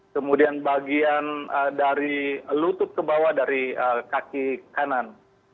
kemudian bagian dari lutut ke bawah dari kaki kanan